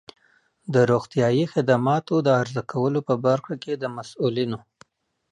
د روغتیایی خدماتو د عرضه کولو په برخه کې د مسؤلینو